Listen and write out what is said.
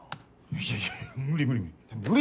いやいやいや無理無理無理。